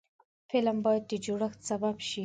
فلم باید د جوړښت سبب شي